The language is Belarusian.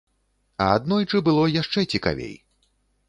А аднойчы было яшчэ цікавей.